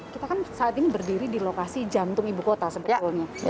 kita kan saat ini berdiri di lokasi jantung ibu kota sebetulnya